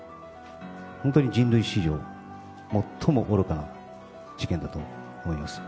本当に人類史上、最も愚かな事件だと思います。